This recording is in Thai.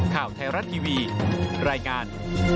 ข่าวไทยรัฐทีวีรายงาน